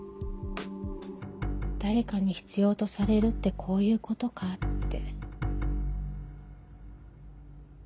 誰かに必要とされるってこういうことかって。